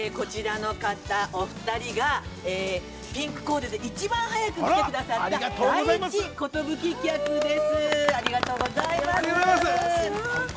お二人が、ピンクコーデで一番早く来てくださった第一寿客です。